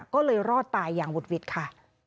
ก็เลยรอดตายอย่างหุดหวิดค่ะ